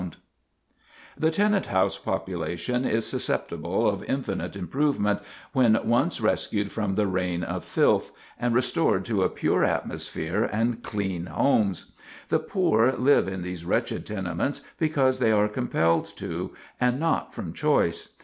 [Sidenote: How to Improve the People] The tenant house population is susceptible of infinite improvement, when once rescued from the reign of filth, and restored to a pure atmosphere and clean homes. The poor live in these wretched tenements because they are compelled to, and not from choice.